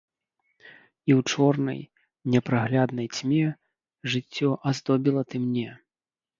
І ў чорнай, непрагляднай цьме жыццё аздобіла ты мне.